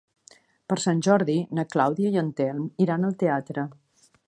Per Sant Jordi na Clàudia i en Telm iran al teatre.